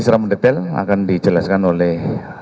secara mendetail akan dijelaskan oleh